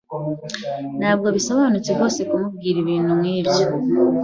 Ntabwo bisobanutse rwose kumubwira ibintu nkibyo.